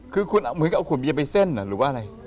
คือคุณเหมือนกับเอาขวดเบียร์ไปเส้นหรือว่าอะไร